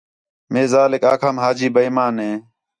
مئے ذالیک آکھام حاجی بے ایمان ہِے